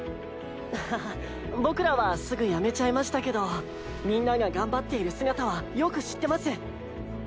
はは僕らはすぐやめちゃいましたけどみんなが頑張っている姿はよく知ってます。